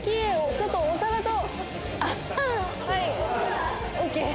ちょっとお皿と。